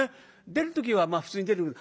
出る時はまあ普通に出てくる。